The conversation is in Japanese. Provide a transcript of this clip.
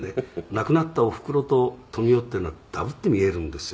「亡くなったおふくろと富美男っていうのはダブって見えるんですよ」